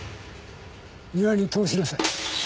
庭に通しなさい。